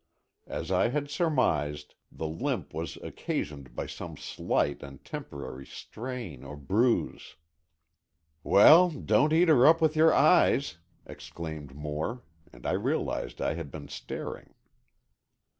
As I had surmised, the limp was occasioned by some slight and temporary strain or bruise. "Well, don't eat her up with your eyes!" exclaimed Moore, and I realized I had been staring.